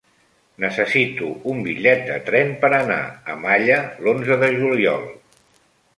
Necessito un bitllet de tren per anar a Malla l'onze de juliol.